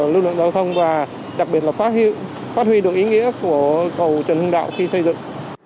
lưu lượng giao thông và đặc biệt là phát hiện phát huy được ý nghĩa của cầu trần hưng đạo khi xây dựng